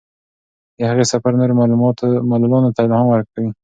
د هغې سفر نورو معلولانو ته الهام ورکوي.